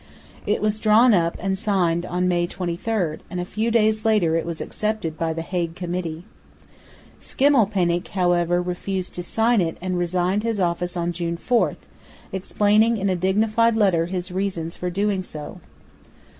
It was drawn up and signed on May 23; and a few days later it was accepted by the Hague Committee. Schimmelpenninck, however, refused to sign it and resigned his office on June 4, explaining in a dignified letter his reasons for doing so.